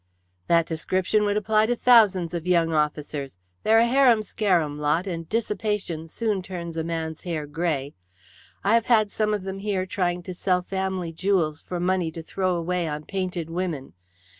"That description would apply to thousands of young officers. They're a harum scarum lot, and dissipation soon turns a man's hair grey. I have had some of them here, trying to sell family jewels for money to throw away on painted women.